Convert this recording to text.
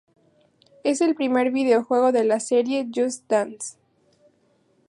Es el primer videojuego de la serie Just Dance.